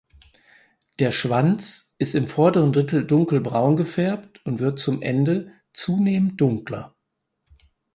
Der Schwanz ist im vorderen Drittel dunkelbraun gefärbt und wird zum Ende zunehmend dunkler.